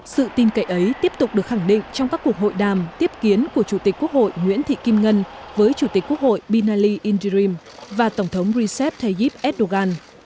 sự tin cậy ấy tiếp tục được khẳng định trong các cuộc hội đàm tiếp kiến của chủ tịch quốc hội nguyễn thị kim ngân với chủ tịch quốc hội binali indirim và tổng thống recep tayyip erdogan